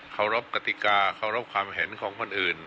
เคารพกติกาเคารพความเห็นของคนอื่น